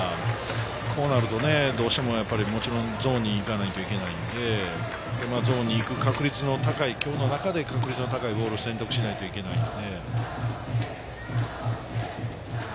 こうなるとね、どうしてもやっぱりゾーンに行かないといけないので、ゾーンに行く確率の高い、今日の中で確率の高いボールを選択しなきゃいけないので。